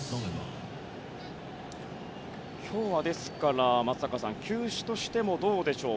今日は松坂さん球種としても、どうでしょう。